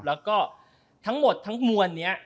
แล้วก็ทั้งหมดทั้งมวลนี้